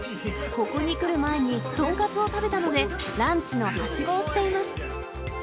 ここに来る前に豚カツを食べたので、ランチのはしごをしています。